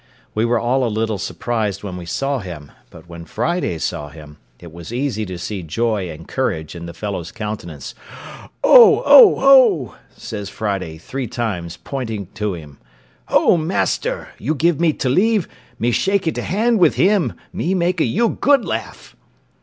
We were all a little surprised when we saw him; but when Friday saw him, it was easy to see joy and courage in the fellow's countenance. "O! O! O!" says Friday, three times, pointing to him; "O master, you give me te leave, me shakee te hand with him; me makee you good laugh."